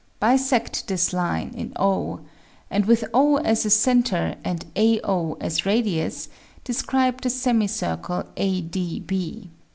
Bisect this line in O, and with O as a center and AO as radius, describe the semi circle ADB.